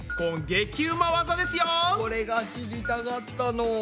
これが知りたかったの。